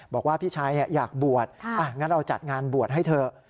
บอกว่าพี่ชายอยากบวชงั้นเราจัดงานบวชให้เถอะ